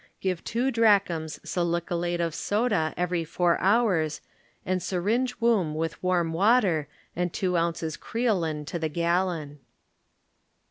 Give two drachms salicylate of soda every four hours and syringe womb with warm water and two ounces creolin to the gallon.